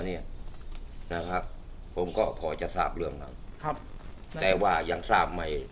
เนี่ยนะครับผมก็พอจะทราบเรื่องนั้นครับแต่ว่ายังทราบไม่